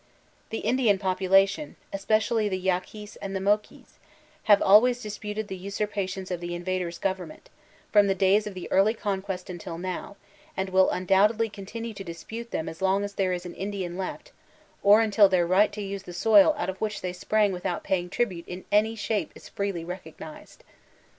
The Indian population— especially the Yaquis and the Moquis — have always disputed the usurpations of the invaders' government, from the days of the early con* quest until now, and will undoubtedly continue to dispute them as long as there is an Indian left, or until their right to use the soil out of which they sprang without paying tribute in any shape is freely recognized.